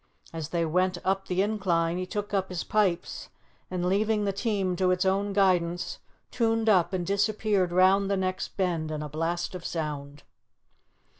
As they went up the incline he took up his pipes, and leaving the team to its own guidance, tuned up and disappeared round the next bend in a blast of sound.